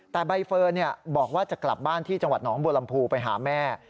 แต่ใบเฟิร์นบอกว่าจะกลับบ้านที่จังหวัดหนองบัวลำพูไปหาแม่